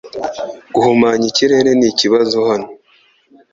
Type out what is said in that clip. Guhumanya ikirere nikibazo hano.